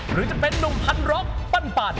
หรือจะเป็นนุ่มพันร็อกปั้น